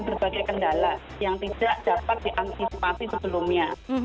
berbagai kendala yang tidak dapat diantisipasi sebelumnya